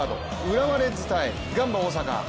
浦和レッズ×ガンバ大阪。